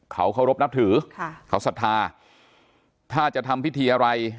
เขาเคารพนับถือค่ะเขาศรัทธาถ้าจะทำพิธีอะไร